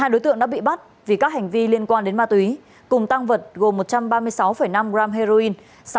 hai đối tượng đã bị bắt vì các hành vi liên quan đến ma túy cùng tăng vật gồm một trăm ba mươi sáu năm gram heroin